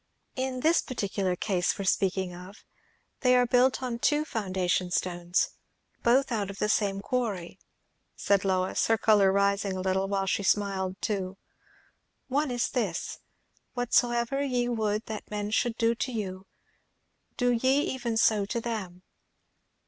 "In this particular case we are speaking of, they are built on two foundation stones both out of the same quarry," said Lois, her colour rising a little, while she smiled too. "One is this 'Whatsoever ye would that men should do to you, do ye even so to them.'